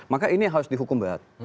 maka ini harus dihukum berat